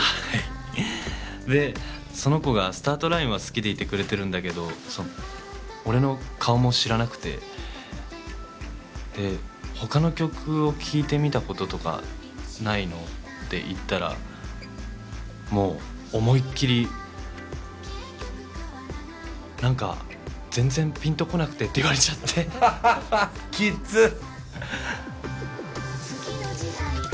はいでその子が「スタートライン」は好きでいてくれてるんだけど俺の顔も知らなくてで「他の曲を聴いてみたこととかないの？」って言ったらもう思いっきり「何か全然ピンとこなくて」って言われちゃってハハハッきっつ！